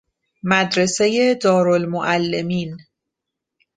مدرسۀ دارالمعلمین